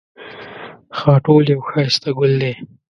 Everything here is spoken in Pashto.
خاټول یو ښایسته ګل دی